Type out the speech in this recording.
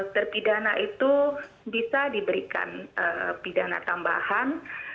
terpidana itu bisa diberikan pidana tambahan